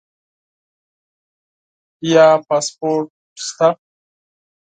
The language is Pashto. نه پاسپورټ شته